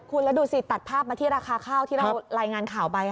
คุณแล้วดูสิตัดภาพมาที่ราคาข้าวที่เรารายงานข่าวไป